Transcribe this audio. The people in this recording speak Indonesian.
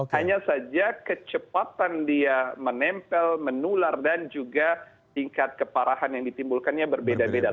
hanya saja kecepatan dia menempel menular dan juga tingkat keparahan yang ditimbulkannya berbeda beda